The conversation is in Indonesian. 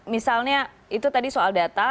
misalnya itu tadi soal data